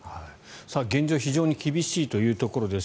現状、非常に厳しいというところです。